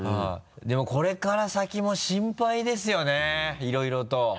でもこれから先も心配ですよねいろいろと。